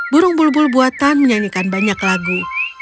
burung bulbul buatan menyanyikan banyak lagu